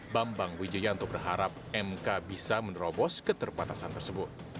bambang wijoyanto berharap mk bisa menerobos keterbatasan tersebut